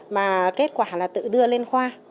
mà kết quả là tự đưa lên khoa